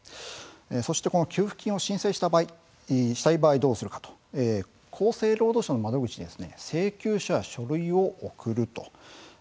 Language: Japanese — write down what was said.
そして、この給付金を申請したい場合どうするかと厚生労働省の窓口に請求書や書類を送ると。